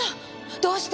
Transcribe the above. どうして！？